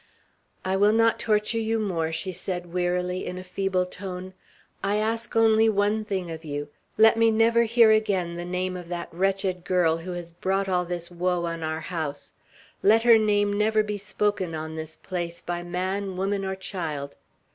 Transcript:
"I will not torture you more," she said wearily, in a feeble tone. "I ask only one thing of you; let me never hear again the name of that wretched girl, who has brought all this woe on our house; let her name never be spoken on this place by man, woman, or child.